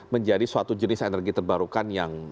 menjadi suatu jenis energi terbarukan yang